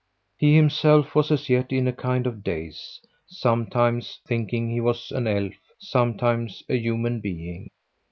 He himself was as yet in a kind of daze sometimes thinking he was an elf, sometimes a human being.